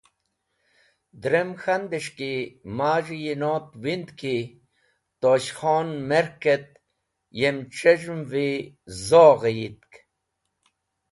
Drem k̃handes̃h ki maz̃h yinot wind ki Tosh Khon mertk et yem c̃hez̃hmi’v zoghe ytik.